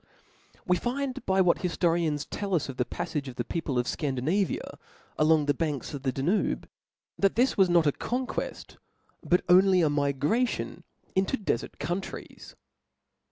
We find by what hifforians tells us of the paffage of the people of Scandinavia, along the banks of the Danube, that this was not a conqueft, but only ^ migration into defert countries.